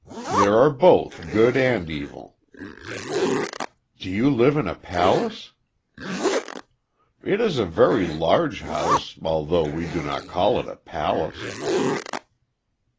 "There are both good and evil." "Do you live in a palace?" "It is a very large house, although we do not call it a palace."